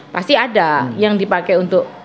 pasti ada yang dipakai untuk